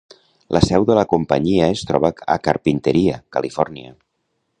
La seu de la companyia es troba a Carpinteria, Califòrnia.